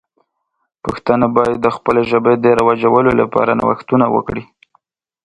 پښتانه باید د خپلې ژبې د رواجولو لپاره نوښتونه وکړي.